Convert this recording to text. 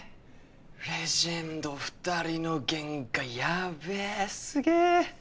レジェンド二人の原画やべえすげえ！